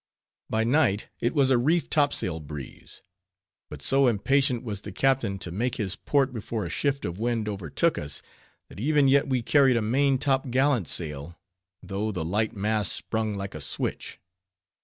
By night it was a reef topsail breeze; but so impatient was the captain to make his port before a shift of wind overtook us, that even yet we carried a main topgallant sail, though the light mast sprung like a switch.